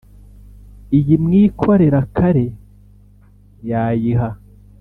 iyi mwikorera-kare yayiha,